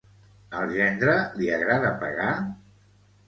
Al gendre li agrada pagar?